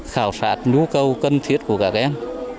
khảo sát nhu cầu cân thiết của các em